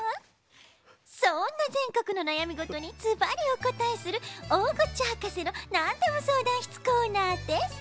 そんなぜんこくのなやみごとにズバリおこたえする「大口博士のなんでも相談室」コーナーです。